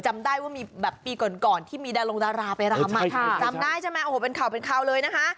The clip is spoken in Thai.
จำได้ว่ามีแบบปีก่อนที่มีดารงดาราไปรามัฐาจำได้ใช่ไหมเป็นข่าวเลยนะคะ